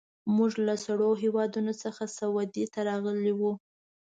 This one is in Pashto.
موږ له سړو هېوادونو څخه سعودي ته راغلي وو.